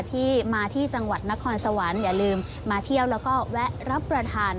ที่มาที่จังหวัดนครสวรรค์อย่าลืมมาเที่ยวแล้วก็แวะรับประทาน